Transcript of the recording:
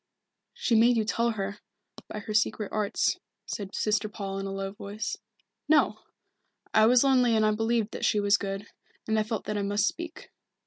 "She made you tell her, by her secret arts," said Sister Paul in a low voice. "No I was lonely and I believed that she was good, and I felt that I must speak.